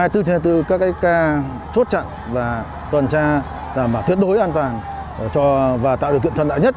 hai mươi bốn trên hai mươi bốn các ca chốt chặn và tuần tra là mà tuyệt đối an toàn và tạo được kiện thuận lợi nhất